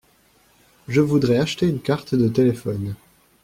Je voudrais acheter une carte de téléphone.